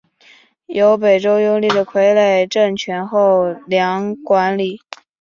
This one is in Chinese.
由北周拥立的傀儡政权后梁管理。